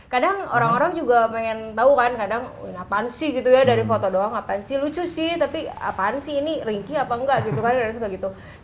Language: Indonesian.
kadang orang orang juga pengen tau kan kadang apaan sih gitu ya dari foto doang apaan sih lucu sih tapi apaan sih ini ringky apa nggak gitu kan